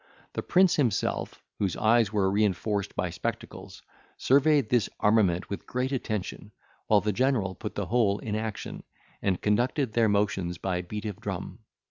The prince himself, whose eyes were reinforced by spectacles, surveyed this armament with great attention, while the general put the whole in action, and conducted their motions by beat of drum.